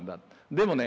でもね